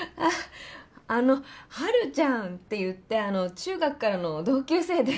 あのハルちゃんっていって中学からの同級生で。